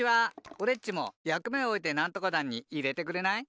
おれっちもやくめをおえてなんとか団にいれてくれない？